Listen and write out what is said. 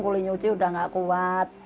kulit nyuci sudah tidak kuat